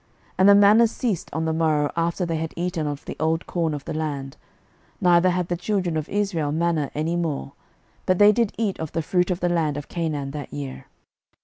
06:005:012 And the manna ceased on the morrow after they had eaten of the old corn of the land; neither had the children of Israel manna any more; but they did eat of the fruit of the land of Canaan that year.